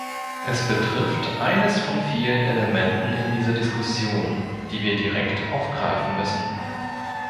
Er betrifft eines von vielen Elementen in dieser Diskussion, die wir direkt aufgreifen müssen.